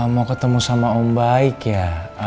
mau ketemu sama om baik ya